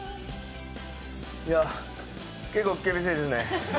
いや結構厳しいですね。